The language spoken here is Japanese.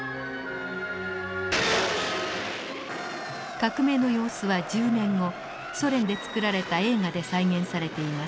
革命の様子は１０年後ソ連で作られた映画で再現されています。